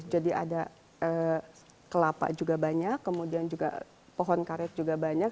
jadi ada kelapa juga banyak kemudian juga pohon karet juga banyak